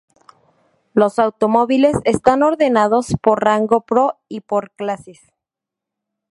Los automóviles están ordenados por rango Pro y por clases.